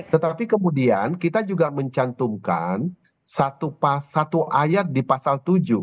tetapi kemudian kita juga mencantumkan satu ayat di pasal tujuh